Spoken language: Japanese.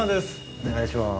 お願いします